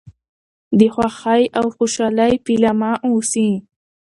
د خوښۍ او خوشحالی پيلامه اوسي .